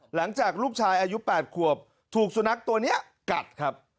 หลังจากลูกชายอายุ๘ขวบถูกสุนัขตัวนี้กัดครับ